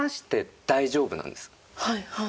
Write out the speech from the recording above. はいはい。